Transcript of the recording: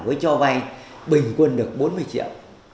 với cho vai bình quân được bốn mươi triệu